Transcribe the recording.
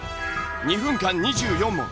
２分間２４問。